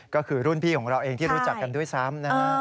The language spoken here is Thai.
ก็คือรุ่นพี่ของเราเองที่รู้จักกันด้วยซ้ำนะฮะ